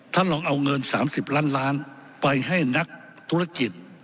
ลองเอาเงิน๓๐ล้านล้านไปให้นักธุรกิจ